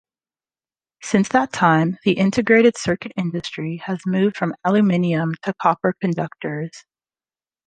Since that time, the integrated circuit industry has moved from aluminium to copper conductors.